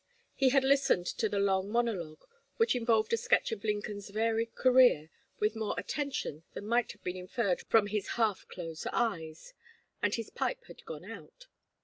He had listened to the long monologue, which involved a sketch of Lincoln's varied career, with more attention than might have been inferred from his half closed eyes, and his pipe had gone out.